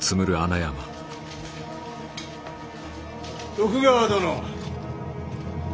徳川殿。